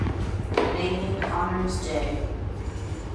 The naming honors J.